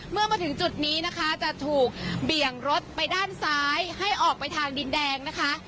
เมื่อมาถึงจุดนี้นะคะจะถูกเบี่ยงรถไปด้านซ้ายให้ออกไปทางดินแดงนะคะ